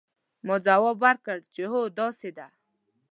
ما ځواب ورکړ چې هو همداسې ده.